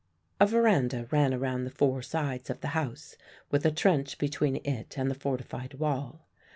"A verandah ran around the four sides of the house, with a trench between it and the fortified wall.